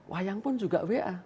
wayang pun juga wa